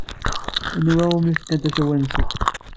Anwa umi fkant asawal-nsent?